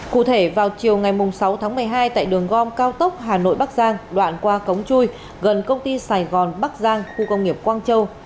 cụ thể vào chiều ngày sáu tháng một mươi hai tại đường gom cao tốc hà nội bắc giang đoạn qua cống chui gần công ty sài gòn bắc giang khu công nghiệp quang châu